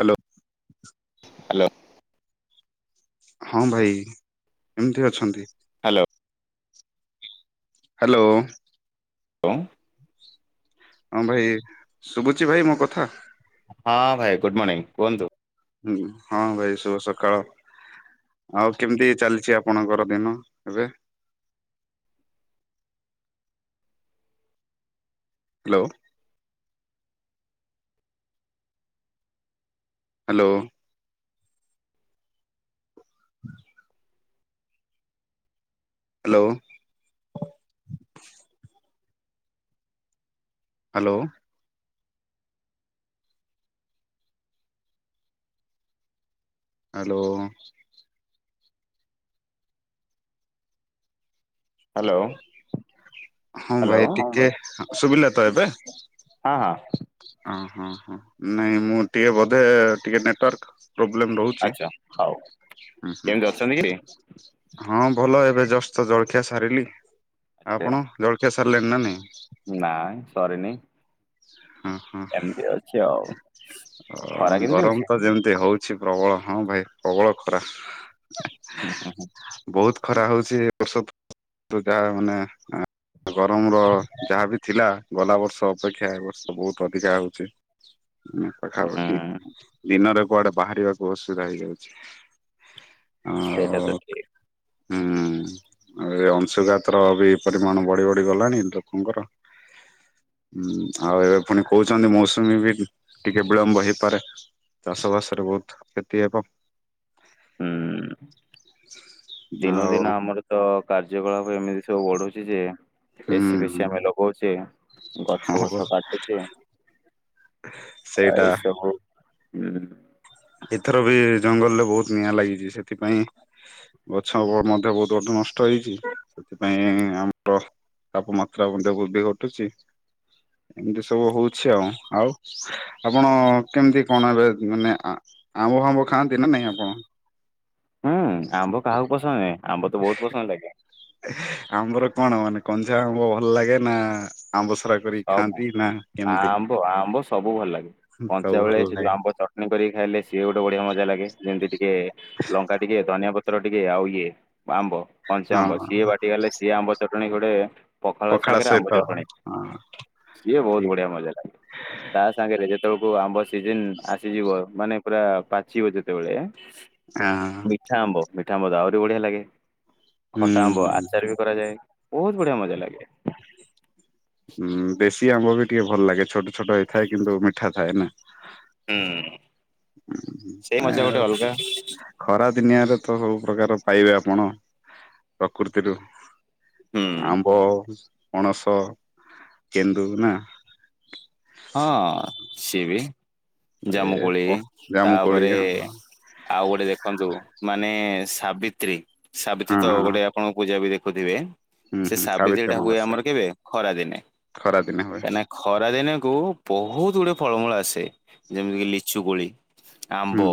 Hello. Hello. ହଁ ଭାଇ କେମିତି ଅଛନ୍ତି? ହାଲୋ। ହାଲୋ। ଓଁ। ହଁ ଭାଇ ଶୁଭୁଛି ଭାଇ ମୋ କଥା। ହଁ ଭାଇ ଗୁଡ୍ ମଣିଙ୍ଗ କୁହନ୍ତୁ। ହୁଁ ହଁ ଭାଇ ଶୁଭ ସକାଳ। ଆଉ କେମିତି ଚାଲିଛି ଆପଣଙ୍କର ଦିନ ଏବେ? ହାଲୋ। ହାଲୋ। ହ [unintelligible] ହାଲୋ। ହାଲୋ। ହାଲୋ। ହାଲୋ। ହଁ ଭାଇ ଟିକେ ଅଁ ଶୁଭିଲା ତ ଏବେ। ହଁ ହଁ। ଅଁ ହଁ ହଁ ନାଇଁ ମୁଁ ଟିକେ ବୋଧେ ଟିକେ ନେଟୱାର୍କ। ପ୍ରୋବ୍ଲେମ ରହୁଛି ଆଚ୍ଛା ହଉ ଉଁ ହୁଁ। କେମିତି ଅଛନ୍ତି କି? ହଁ ଭଲ ଏବେ ଜଷ୍ଟ ତ ଜଳଖିଆ ସାରିଲି ଆଚ୍ଛା ଆପଣ। ଜଳଖିଆ ସାରିଲେଣି ନା ନାଇ? ନାଇଁ ସରିନି। ହଁ ହଁ ଏମିତି ଅଛି ଆଉ ଅଁ ଖରା କେମିତି ଗରମ ହଉଛି? ତ ଯେମିତି ହଉ ଛି ପ୍ରବଳ ହଁ ଭାଇ ପ୍ରବଳ ଖରା ବହୁତ ଖରା ହଉଛି। ଔଷଧ [unintelligible] ଯାହା ମାନେ ଏ ଗରମ ର ଯାହା ବି ଥିଲା ଗଲା ବର୍ଷ ଅପେକ୍ଷା ଏ ବହୁତ ଅଧିକା ହଉଛି। ଉଁ ପାଖାପାଖି ହୁଁ ଦିନରେ କୁଆଡେ ବାହାରିବାକୁ ଅସୁବିଧା ହେଇଯାଉଛି। [unintelligible] ସେଇଟା ତ ଠି ହୁଁ। ଆଉ ଏ ଅଂଶୁଘାତର ବି ପରିମାଣ ବଢ଼ି ବଢ଼ି ଗଲାଣି ଲୋକଙ୍କର ଉଁ ଆଉ ଏବେ ପୁଣି କହୁଛନ୍ତି ମୌସୁମୀ ବି ଟିକେ ବିଳମ୍ବ ହେଇପାରେ। ଦଶ ବର୍ଷ ରେ ବହୁତ୍ କ୍ଷତି ହବ। ହୁଁ ଦିନ କୁ ଆଉ ଦିନ ଆମର ତ କାର୍ଯ୍ୟକଳାପ ଏମିତି ସବୁ ବଢୁଛି ଯେ ଏସି ହୁଁ। ପେସି ଆମେ ଲଗଉଚେ। ଗଛ ହଁ ବଛ କାଟୁଚେ ଆଉ ସେଇଟା ଏଇସବୁ ହୁଁ ଏଥର ବି ଜଙ୍ଗଲରେ ବହୁତ ନିଆଁ ଲାଗିଛି। ସେଥିପାଇଁ ଗଛ ମଧ୍ୟ ବହୁତ ଗଟେ ନଷ୍ଟ ହେଇଛି। ସେଥିପାଇଁ ଆମର ତାପମାତ୍ରା ମଧ୍ୟ ବୃଦ୍ଧି ଘଟୁଛି। ଏମିତି ସବୁ ହଉଛି ଆଉ ଆଉ ଆପଣ କେମିତି କଣ ହେବେ ମାନେ ଆ ଆମ୍ବ ଫାମ୍ବ ଖାଆନ୍ତି ନା ନାଇଁ ଆପଣ? ହୁଁ ଆମ୍ବ କାହାକୁ ପସନ୍ଦ ନାଇଁ ଆମ୍ବ ତ ବହୁତ ପସନ୍ଦ ଆଜ୍ଞା। ଆମ୍ବର କଣ ମାନେ କଞ୍ଚା ଆମ୍ବ ଭଲ ଲାଗେ ନା ଆମ୍ବ ସୋରା ସବୁ ଆମ୍ବ ଆମ୍ବ ସବୁ ଭଲ ଲାଗେ। ସବୁ କଞ୍ଚା ଭଲ ବେଳେ ସେ ଯୋଉ ଲାଗେ ଆମ୍ବ ଚଟ୍ ଣି କରିକି ଖାଇଲେ ସିଏ ଗୋଟେ ବଢିଆ ମଜା ଲାଗେ ଯେମିତି ଟିକେ ଲଙ୍କା ଟିକେ ଧନିଆ ପ ତ୍ର ଟିକେ ଆଉ ଇଏ ଆମ୍ବ କଞ୍ଚ ହଁ ଆମ୍ବ ହଁ ସିଏ ବାଟି ଗଲେ ସିଏ ଆମ୍ବ ଚଟଣି ଗୋଟେ ପଖାଳ ସାଙ୍ଗରେ ଆମ୍ବ ଚଟଣି। ହଁ। ସିଏ ବହୁତ ଠିକ ବଢିଆ ମଜା ଲାଗେ। ତା ସାଙ୍ଗରେ ଯେତେବେଳକୁ ଆମ୍ବ ସିଜନ ଆସିଯିବ ମାନେ ପୁରା ପାଚିବ ଯେତେବେଳେ [inaudible] ଅ ହଁ। ମିଠା ଆମ୍ବ ମିଠା ଆମ୍ବ ଆହୁରି ବଢିଆ ଲାଗେ ହୁଁ ଖଟା ଆମ୍ବ ଆଚାର ବି କରାଯାଏ ବହୁତ ବଢିଆ ମଜା ଲାଗେ। ହୁଁ ବେଶ ସି ଆମ୍ବ ବି ଟିକେ ଭଲ ଲାଗେ ଛୋଟ ଛୋଟ ହେଇ ଥାଏ କିନ୍ତୁ ମିଠା ଥାଏ ନା। ହୁଁ। ସେଇ ଉଁ ମଜା ଆଏ ଗୋଟେ ଅଲଗା ଖରା ଦିନିଆରେ ତ ସବୁ ପ୍ରକାର ପାଇବେ ଆପଣ ପ୍ରକୃତିରୁ। ହୁଁ ଆମ୍ବ ପଣସ କେନ୍ଦୁ ନା। ହଁ ସିଏ ବି ଏ ଜାମୁକୋଳି ଜାମୁକୋଳି ତାପରେ ହଁ ଆଉ ଗୋଟେ ଦେଖନ୍ତୁ ମାନେ ସାବିତ୍ରୀ ସାବିତ୍ରୀ ହଁ ତ ହଁ ଗୋଟେ ଆପଣଙ୍କୁ ପୂଜା ବି ଦେଖ। ଖୁଥିବେ ହୁଁ ସେ ହୁଁ ସାବିତ୍ରୀ ସାବିତ୍ରୀଟା ହୁଏ। ଅମାବାସ୍ୟା ଆମର କେବେ ଖରା ଦିନେ ଖରା ଦିନେ ହୁଏ ହେଲା ଖରାଦିନକୁ ବହୁତ ଗୁଡିଏ ଫଳମୂଳ ଆସେ। ଯେମିତି କିି ଲିଚୁ କୋଳି ଆମ୍ବ ହୁଁ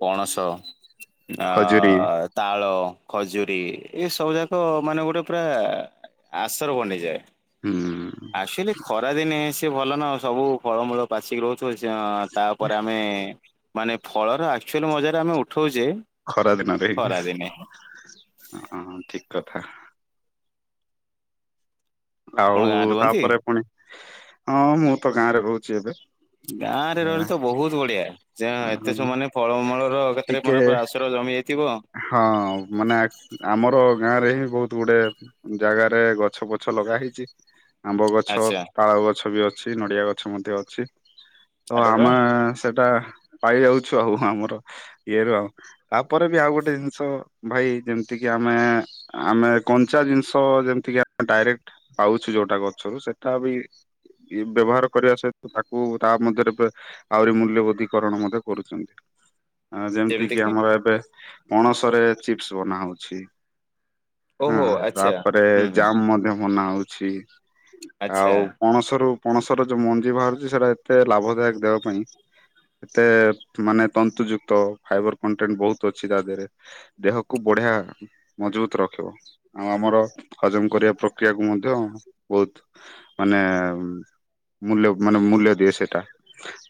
ପଣସ ଆ ଖଜୁରୀ ତାଳ, ଖଜୁରୀ ଏ ସବୁ ଯାକ ମାନେ ଗୋଟେ ପୁରା ଆଶର୍ ବନିଯାଏ। ହୁଁ। ଖରାଦିନେ ସିଏ ଭଲ ନା ସବୁ ଫଳମୂଳ ପାଚିବ। ତାପରେ ଆମେ ମାନେ ଫଳର ଆଚୁଆଲି ମଜାରେ ଆମେ ଉଠଉଛେ। ଖରା ଦିନରେ ଖରା ଦିନେ ହଁ ଠିକ କଥା। ଆପଣ ଗାଁରେ ଆଉ ରୁହନ୍ତି? ତାପରେ ପୁଣି ହଁ ମୁଁ ତ ଗାଁରେ ରହୁଛି ଏବେ। ଗାଁ ରେ ରହିଲେ ତ ବହୁତ ବଢିଆ। ଯେ ହଁ ଏତେ ସମାନେ ଫଳମୂଳ ର କେତରେ ଟିକେ ମାର ପୁରା ଆସର ଜମି ଯାଇଥିବ। ହଁ ମାନେ ଆଶ୍ ଆମର ଗାଁ ରେ ହିଁ ବହୁତ ଗୁଡେ ଜାଗାରେ ଗଛ ପ ଗଛ ଲଗା ହେଇଛି ଆମ୍ବ ଗଛ ଆଚ୍ଛା ତାଳ ଗଛ ବି ଅଛି ନଡିଆ ଗଛ ମଧ୍ୟ ଅଛି। ତ ଆରେ ବା ଆମେ ସେଇଟା ପାଇ ଯାଉଛୁ ଆଉ ଆମର ଇଏରୁ ଆଉ। ତାପରେ ବି ଆଉ ଗୋଟେ ଜିନିଷ ଭାଇ ଯେମିତି କିି ଆମେ ଆମେ କଞ୍ଚା ଜିନିଷ ଯେମିତିକି ଆମେ ଡାଇରେକ୍ଟ ପାଉଛୁ ଯୋଉଟା ଗଛରୁ ସେଟା ବି ବ୍ୟବହାର କରିବା ସହିତ ତାକୁ ତା ମଧ୍ୟରେ ବେ ଆହୁରି ମୂଲ୍ୟବୋଦ୍ଧିକରଣ ମଧ୍ୟ କରୁଚନ୍ତି। ଆ ଯେମିତି କି ଆମର ଏବେ ପଣସରେ ଚିପ୍ସ ବନାହଉଛି। ହଁ ଓହୋ ଆଚ୍ଛା। ତାପରେ ହୁଁ ହୁଁ ଜାମ୍ ମଧ୍ୟ ବନା ହଉଛି ଆଚ୍ଛା ଆଉ ପଣସରୁ ପଣସର ଯୋଉ ମଞ୍ଜି ବାହାରୁଚି ସେଇଟା ଏତେ ଲାଭଦାୟକ ଦେବା ପାଇଁ ଏତେ ମାନେ ତନ୍ତୁଯୁକ୍ତ ଫାଇବର କଣ୍ଟେଣ୍ଟ ବହୁତ ଅଛି ତା ଦେହରେ। ଦେହକୁ ବଢିଆ ମଜବୁତ ରଖିବ ଆଉ ଆମର ହଜମ କରିବା ପ୍ରକ୍ରିୟାକୁୁ ମଧ୍ୟ ବହୁତ ମାନେ ମୂଲ୍ୟ ମାନେ ମୂଲ୍ୟ ଦିଏ ସେଇଟା।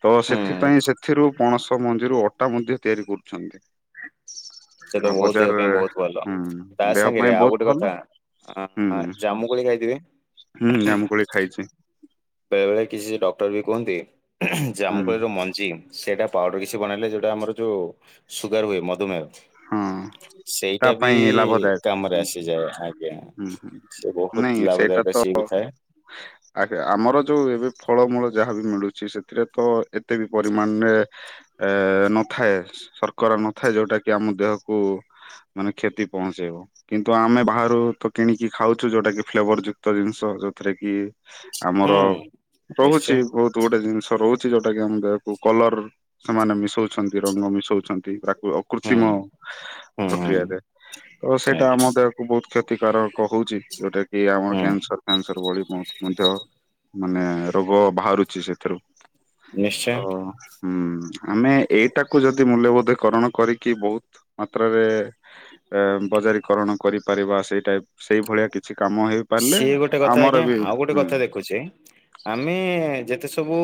ତ ହୁଁ ସେଥିପାଇଁ ସେଥିରୁ ପଣସ ମଞ୍ଜିରୁ ଅଟା ମଧ୍ୟ ତିଆରି କରୁଛନ୍ତି। ସେଟା ଆଉ ବହୁତ ଦେହ ପାଇଁ ବଜାରରେ ବହୁତ ଭଲ। ହୁଁ ତା ଦେହ ପାଇଁ ସାଙ୍ଗରେ ଆଉ ବହୁତ ଗୋଟେ ଭଲ କଥା ଆ ହୁଁ ଆ ଜାମୁ କୋଳି ଖାଇଥିବେ? ହୁଁ ଜାମୁକୋଳି ଖାଇଛି। ବେଳେବେଳେ କିଛି ଡକ୍ଟର ବି କୁହନ୍ତି ହୁଁ ଜାମୁକୋଳିର ମଞ୍ଜି ସେଇଟା ପାଉଡର କିଛି ବନେଇଲେ ଯୋଉଟା ଆମର ଯୋଉ ସୁଗାର ହୁଏ ମଧୁମେହ ହଁ ତା ସେଇଟା ବି ପାଇଁ ଲାଭଦାୟକ। କାମରେ ହୁଁ ଆସିଯାଏ ଆଜ୍ଞା ହୁଁ ହୁଁ ସେ ନାଇଁ ବହୁତ ସେଇଟା ତ ଲାଭଦାୟକ ସିଏ। [unintelligible] [inaudible] ଆଜ୍ଞା ଆମର ଯୋଉ ଏବେ ଫଳମୂଳ ଯାହାବି ମିଳୁଚି ସେଥିରେ ତ ଏତେ ବି ପରିମାଣରେ ଏ ନଥାଏ ଶର୍କରା ନଥାଏ ଯୋଉଟା କି ଆମ ଦେହକୁ ମାନେ କ୍ଷତି ପହଞ୍ଚେଇବ। କିନ୍ତୁ ଆମେ ବାହାରୁ ତ କିଣିକି ଖାଉଛୁ ଯୋଉଟା କି ଫ୍ଲେବର ଯୁକ୍ତ ଜିନିଷ ଯୋଉଥିରେ କି ହୁଁ ଆମର ରହୁଛି ନିଶ୍ଚୟ ବହୁତ ଗୋଟେ ଜିନିଷ ରହୁଛି ଯୋଉଟା କି ଆମ ଦେହକୁ କଲର ସେମାନେ ମିଶଉଛନ୍ତି ରଙ୍ଗ ମିଶଉଛନ୍ତି ପ୍ରାକୃ ହୁଁ କୃତ୍ରିମ ହୁଁ ହୁଁ। ପ୍ରକ୍ରିୟାରେ ତ ସେଇଟା ଆମ ଆଜ୍ଞା ଦେହକୁ ବହୁତ କ୍ଷତିକାରକ କହୁଛି ଯୋଉଟା କି ଆମର ହୁଁ କ୍ୟାନସର କ୍ୟାନସର ଭଳି ମଧ୍ୟ ମାନେ ରୋଗ ବାହାରୁଛି ସେଥିରୁ। ତ ନିଶ୍ଚୟ ହୁଁ ଆମେ ଏଇଟାକୁ ଯଦି ମୂଲ୍ୟବୋଧକରଣ କରି କି ବହୁତ ମାତ୍ରାରେ ଏ ବଜାରୀକରଣ କରିପାରିବା ସେଇ ଟାଇପ ସେଇ ଭଳିଆ କିଛି କାମ ହେଇ ସିଏ ଗୋଟେ କଥା ଆଜ୍ଞା ଆଉ ଗୋଟେ କଥା ଦେଖୁଛି। ଆମେ ଯେତେ ସବୁ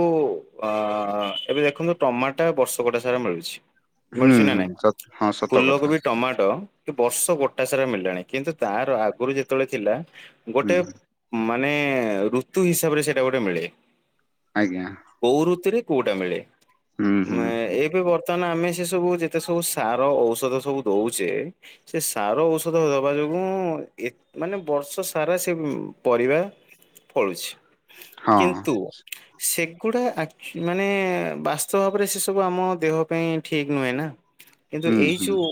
ଆ ଏବେ ଦେଖନ୍ତୁ ଟମାଟା ବର୍ଷକଟା ସାରା ମିଳୁଛି। ହୁଁ ମିଳୁଛି ନା ହୁଁ ନାଇଁ ସ ହଁ ସତ ଫୁଲ କଥା କୋବି ଟମାଟୋ ବର୍ଷ ଗୋଟା ସାରା ମଳିଲାଣି କିନ୍ତୁ ତାର ଆଗରୁ ଯେତେବେଳେ ଥିଲା ହୁଁ ଗୋଟେ ମାନେ ଋତୁ ହିସାବରେ ସେଇଟା ଗୋଟେ ମିଳେ। ଆଜ୍ଞା। କୋଉ ଋତୁରେ କୋଉଟା ମିଳେ। ହୁଁ ହୁଁ ଏବେ ବତ [unintelligible] ଆମେ ସେ ସବୁ ଯେତେ ସବୁ ସାର ଔଷଧ ସବୁ ଦଉଚେ ସେ ସାର ଔଷଧ ଦବା ଯୋଗୁଁ ଏତ ‌ମାନେ ବର୍ଷ ସ ସାରା ସେ ପରିବା ଫଳୁଛି ହଁ କିନ୍ତୁ ସେଗୁଡା ଆଚୁ ମାନେ ବାସ୍ତବ ଭାବରେ ସେ ସବୁ ଆମ ଦେହ ପାଇଁ ଠିକ ନୁହେଁ ନା। [inaudible] କିନ୍ତୁ ଏଇ ହୁଁ ଯଉ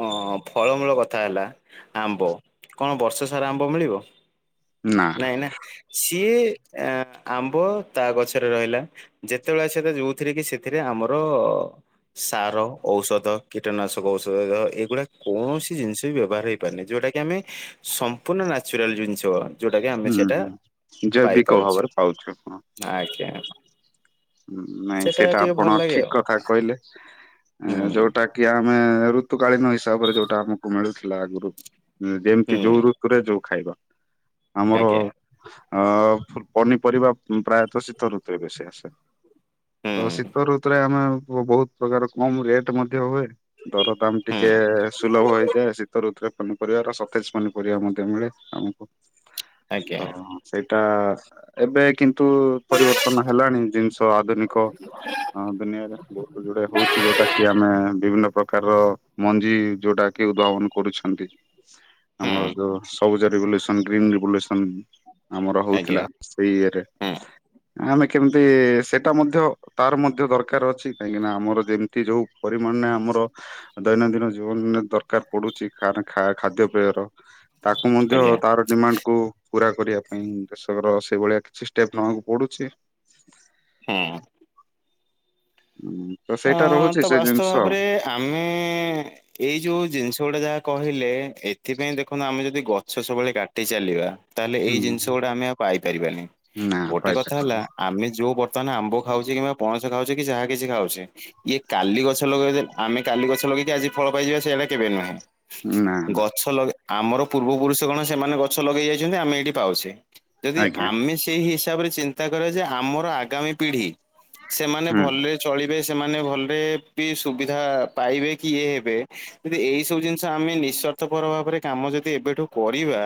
ହଁ, ଫଳମୂଳ କଥା ହେଲା ଆମ୍ବ କଣ ବର୍ଷ ସାରା ଆମ୍ବ ମିଳିବ? ନା ନାଇଁ ନା ସିଏ ଆମ୍ବ ତା ଗଛରେ ରହିଲା ଯେତେବେଳେ ସେ ଯୋଉଥିରେ କି ସେଥିରେ ଆମର ସାର, ଔଷଧ କୀଟନାଶକ ଔଷଧ ଏଗୁଡା କୌଣସି ଜିନିଷ ବି ବ୍ୟବହାର ହେଇପାରୁନି ଯଉଟା କିି ଆମେ ସମ୍ପୂର୍ଣ୍ଣ ନା ନେଚୁରାଲ୍ ଜିନିଷ ଯୋଉଟାକି ଆମେ ହୁଁ ସେଟା ହୁଁ ପାଇ ଜୈବିକ ପାରୁଛେ, ଭାବରେ ପାଉଛୁ ହଁ ଆଜ୍ଞା। ନାଇଁ ସେଟା ସେଇଟା ଟିକେ ଭଲ ଆପଣ ଲାଗେ ଠିକ୍ ଆଉ କଥା କହିଲେ ହୁଁ ଯୋଉଟା କି ଆମେ ଆମେ ଋତୁକାଳୀନ ହିସାବରେ ଯୋଉଟା ଆମକୁ ମିଳୁଥିଲା ଆଗରୁ। ଯେମିତି ହୁଁ ଯୋଉ ଋତୁରେ ଯୋଉ ଖାଇବା ଆମର ଆଜ୍ଞା ଅ ପନିପରିବା ପ୍ରାୟତଃ ଶୀତ ଋତୁରେ ବେଶୀ ଆସେ। ହୁଁ ତ ଶୀତ ଋତୁରେ ଆମେ ବହୁତ୍ ପ୍ରକାର କମ୍ ରେଟ ମଧ୍ୟ ହୁଏ ଦର ଦାମ ହୁଁ ଟିକେ ସୁଲଭ ହେଇଯାଏ ଶୀତ ଋତୁରେ। ପନିପରିବାର ସତେଜ୍ ପନିପରିବା ମଧ୍ୟ ମିଳେ ଆମକୁ ଆଜ୍ଞା ତ ସେଇଟା ଏବେ କିନ୍ତୁ ପରିବର୍ତ୍ତନ ହେଲାଣି ଜିନିଷ ଆଧୁନିକ ହଁ, ଦୁନିଆରେ ବହୁତ୍ ଯୋଉଟା ହଉଛି ଯୋଉଟା କି ଆମେ ବିଭିନ୍ନ ପ୍ରକାରର ମଞ୍ଜି ଯୋଉଟା କି ଉଦ୍ଭାବନ କରୁଛନ୍ତି। ହୁଁ ଆମର ଯୋଉ ସବୁଜ ରିଭୁଲିସନ ଗ୍ରୀନ୍ ରିଭଲୁସନ ଆମର ଆଜ୍ଞା ହଉଥିଲା ସେଇଆରେ ହୁଁ ଆମେ କେମିତି ସେଇଟା ମଧ୍ୟ ତାର ମଧ୍ୟ ଦରକାର ଅଛି କାହିଁକିନା ଆମର ଯେମିତି ଯୋଉ ପରିମାଣରେ ଆମର ଦୈନନ୍ଦିନ ଜୀବନରେ ଦରକାର ପଡୁଛି ଖାନ୍ - ଖାଦ୍ୟପେୟର। ତାକୁ ମଧ୍ୟ ଆଜ୍ଞା ତାର ଡିମାଣ୍ଡକୁୁ ପୁରା କରିବା ପାଇଁ ଦେଶର ସେଇଭଳିଆ କିଛି ଷ୍ଟେପ୍ ନେବାକୁ ପଡୁଛି‌। ହୁଁ। ହୁଁ, ତ ଅ ସେଇଟା ରହୁଛି ତ ସେ ବାସ୍ତବ ଜିନିଷ ଭାବରେ ଆମେ ଏଇ ଯୋଉ ଜିନିଷ ଗୁଡା ଯାହା କହିଲେ ଏ ସେଥିପାଇଁ ଦେଖନ୍ତୁ ଆମେ ଯଦି ଗଛ ସବୁବେଳେ କାଟି ଚାଲିବା ତାହେଲେ ଏଇ ଜିନିଷ ହୁଁ। ଗୁଡା ଆମେ ଆଉ ପାଇପାରିବାନି, ନା ଗୋଟେ କଥା ହେଲା କହିପାରିବନି ଆମେ ଯୋଉ ବର୍ତ୍ତମାନ ଆମ୍ବ ଖାଉଛେ କିମ୍ବା ପଣସ ଖାଉଛେ କି ଯାହା କିଛି ଖାଉଛେ ଇଏ କାଲି ଗଛ ଲଗେଇଦେ ଆମେ କାଲି ଗଛ ଲଗେଇକି ଆଜି ଫଳ ପାଇଯିବା ସେଇଟା କେବେ ନୁହେଁ। ନା ନା ଗଛ ଲଗେଇ ଆମର ପୂର୍ବ ପୁରୁଷ କଣ ସେମାନେ ଗଛ ଲଗେଇ ଯାଇଛନ୍ତି ଆମେ ଏଇଠି ପାଉଛେ। ଯଦି ଆଜ୍ଞା ଆମେ ସେଇ ହିସାବରେ ଚିନ୍ତା କରିବା ଯେ ଆମର ଆଗାମୀ ପିଢି ସେମାନେ ହୁଁ ଭଲରେ ଚଳିବେ ସେମାନେ ଭଲରେ ବି ସୁବିଧା ପାଇବେ କି ଇଏ ହେବେ ଯ ଏଇ ସବୁ ଜିନିଷ ଆମେ ନିସ ନିଃସ୍ଵାର୍ଥ ପର ଭାବରେ କାମ ଯଦି ଏବେଠୁ କରିବା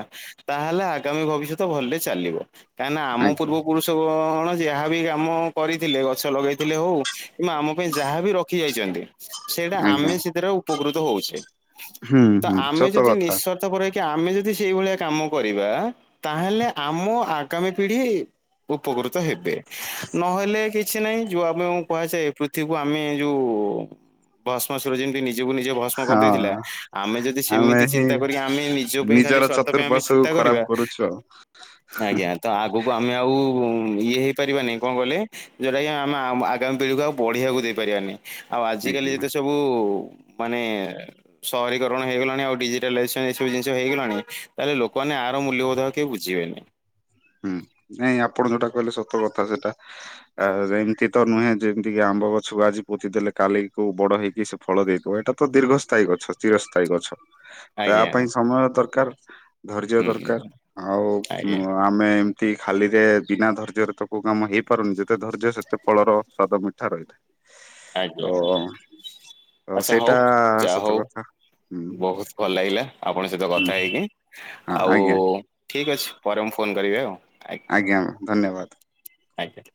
ତାହେଲେ ଆଗାମୀ ଭବିଷ୍ୟତ ଭଲରେ ଚାଲିବ। କାହିଁକି ନା ଆମ ଆଜ୍ଞା। ପୂର୍ବ ପୁରୁଷ କଣ ଯାହାବି କାମ କରିଥିଲେ ଗଛ ଲଗେଇଥିଲେ ହଉ କିମ୍ବା ଆମ ପାଇଁ ଯାହା ବିି ରଖି ଯାଇଛନ୍ତି ସେଇଟା ଆଜ୍ଞା ଆମେ ସେଥିରେ ଉପକୃତ ହଉଛେ। ହୁଁ ତ ହୁଁ ଆମେ ସତ ଯଦି କଥା ନିଃସ୍ୱାର୍ଥ ପର ହେଇକି ଆମେ ଯଦି ସେଇ ଭଳିଆ କାମ କରିବା ତାହେଲେ ଆମ ଆଗାମୀ ପିଢି ଉପକୃତ ହେବେ ନହେଲେ କିଛି ନାହିଁ ଯୋଉ ଆମ କୁହାଯାଏ ପୃଥିବୀକୁ ଆମେ ଯୋଉ ଭସ୍ମ ସୁର ଯେମିତି ନି ନିଜକୁ ନିଜେ ଭସ୍ମ କରିଦେଇଥିଲା ହଁ ଆମେ ଯଦି ଆମେ ସେମିତି ହିଁ ଚିନ୍ତା କରିକି ଆମେ ନିଜ ପାଇଁ ଖାଲି ସ୍ୱାର୍ଥ ପାଇଁ ଆମେ ଚିନ୍ତା କରିବା କରୁଛ ଆଜ୍ଞା [unintelligible] ତ ଆଗକୁ ଆମେ ଆଉ ଇଏ ହେଇପାରିବାନି କଣ କହିଲେ ଯଉରା କି ଆମେ ଆଗାମୀ ପିଢ଼ୀକୁ ଆଉ ବଢ଼ିବାକୁ ଦେଇପାରିବାନି ଆଉ ଆଜିକାଲି ଆଜ୍ଞା ଯେତେ ସବୁ ମାନେ ସହରୀକରଣ ହେଇଗଲାଣି ଆଉ ଡିଜିଟାଲାଇଜେସ ଏବୁ ଜିନିଷ ହେଇଗଲାଣି ତାହେଲେ ଲୋକମାନେ ଆର ମୂଲ୍ୟବୋଧ କେହି ବୁଝିବେନି। ହୁଁ ନାଇଁ ଆପଣ ଯୋଉଟା କହିଲେ ସତ କଥା ସେଟା। ଆ ଏମତି ତ ନୁହେଁ ଯେମିତି କି ଆମ୍ବ ଗଛକୁ ଆଜି ପୋତି ଦେଲେ କାଲି କୋଉ ବଡ ହେଇକି ଫଳ ଦେଇଦେବ ଏଇଟା ତ ଦୀର୍ଘସ୍ଥାୟୀ ଗଛ ଚିର ସ୍ଥାୟୀ ଗଛ। ତା ଆଜ୍ଞା ପାଇଁ ସମୟ ଦରକାର ଧର୍ଯ୍ୟ ହୁଁ ଦରକାର ଆଉ ଉମ ଆଜ୍ଞା ଆମେ ଏମିତି ଖାଲିରେ ବିନା ଧୈର୍ଯ୍ୟରେ ତ କୋଉ କାମ ହେଇପାରୁନି ଯେତେ ଧୈର୍ଯ୍ୟ ସେତେ ଫଳର ସ୍ଵାଦ ମି କଥା ରହେ ତ ଆଜ୍ଞା ତ ଆଚ୍ଛା ହଉ ସେଇଟା ଯାହା ସତ ହଉ କଥା। ହୁଁ ବହୁତ ଭଲ ଲାଗିଲା ଆପଣଙ୍କ ସହିତ ହୁଁ କଥା ହେଇକି। ହଁ ଆଉ ଆଜ୍ଞା ଠିକ୍ ଅଛି ପରେ ମୁଁ ଫୋନ କରିବି ଆଉ ଆଜ୍ଞା। ଆଜ୍ଞା ଧନ୍ୟବାଦ। ଆଜ୍ଞା।